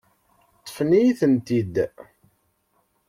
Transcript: Ṭṭfent-iyi-tent-id.